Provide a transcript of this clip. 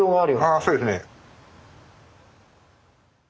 ああそうですね。